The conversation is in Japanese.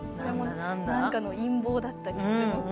何かの陰謀だったりするのか。